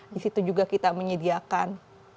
di situ juga kita menyediakan